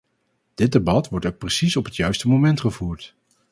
Dit debat wordt ook precies op het juiste moment gevoerd.